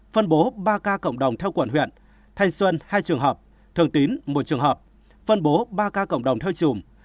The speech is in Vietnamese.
phân bố ba ca cộng đồng theo quận huyện thanh xuân hai trường hợp thường tín một trường hợp phân bố ba ca cộng đồng theo chùm